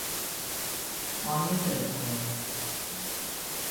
Anyja török volt.